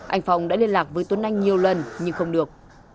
anh phong đã liên lạc với tuấn anh nhiều lần nhưng không được